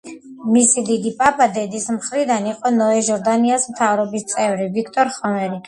მისი დიდი პაპა დედის მხრიდან იყო ნოე ჟორდანიას მთავრობის წევრი, ვიქტორ ხომერიკი.